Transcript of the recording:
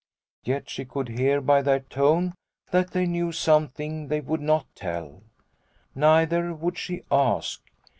Yet she could hear by their tone that they knew something they would not tell. Neither would she ask.